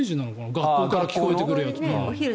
学校から聞こえてくるやつ。